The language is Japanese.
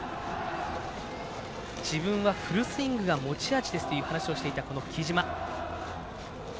自分はフルスイングが持ち味ですと話をしていた、木嶋。